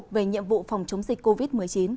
về nhiệm vụ phòng chống dịch covid một mươi chín